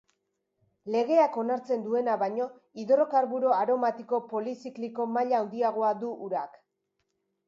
Legeak onartzen duena baino hidrokarburo aromatiko polizikliko maila handiagoa du urak.